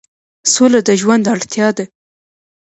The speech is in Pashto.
سوله د ژوند اړتیا ده